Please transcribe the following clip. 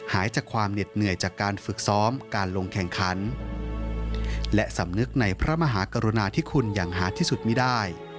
หายจากความเหน็ดเหนื่อยจากการฝึกซ้อมการลงแข่งขันและสำนึกในพระมหากรุณาที่คุณอย่างหาที่สุดไม่ได้